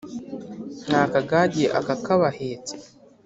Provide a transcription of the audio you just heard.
nta kagage aka k' abahetsi